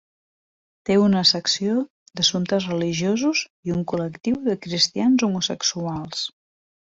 Té una secció d'assumptes religiosos i un col·lectiu de cristians homosexuals.